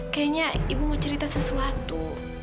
kayaknya ibu mau cerita sesuatu